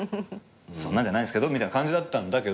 そんなんじゃないっすけどみたいな感じだったんだけど。